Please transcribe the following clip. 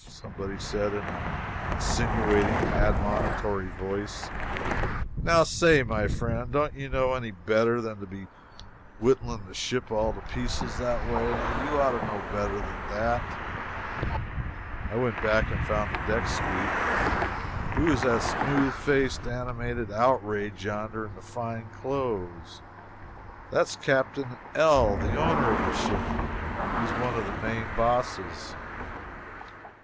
Somebody said, in an insinuating, admonitory voice: "Now, say my friend don't you know any better than to be whittling the ship all to pieces that way? You ought to know better than that." I went back and found the deck sweep. "Who is that smooth faced, animated outrage yonder in the fine clothes?" "That's Captain L, the owner of the ship he's one of the main bosses."